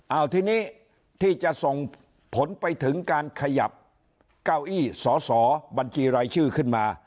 เอาทีนี้ที่จะส่งผลไปถึงการขยับเก้าอี้สอสอบัญชีรายชื่อขึ้นมา